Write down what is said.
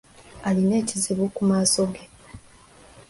Alina ekizibu ku maaso ge.